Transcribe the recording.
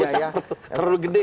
terlalu besar terlalu gede